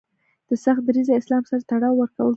له سخت دریځه اسلام سره تړاو ورکول کیږي